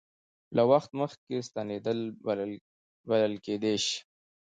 له وخت مخکې سپینېدل بلل کېدای شي.